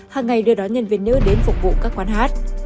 hàng ngày đưa đón nhân viên nữ đến phục vụ các quán hát